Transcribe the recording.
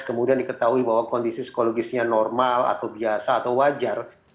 kemudian diketahui bahwa kondisi psikologisnya normal atau biasa atau wajar